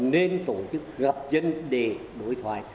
nên tổ chức gặp dân để đối thoại